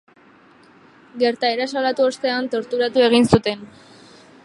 Gertaera salatu ostean, torturatu egin zuten.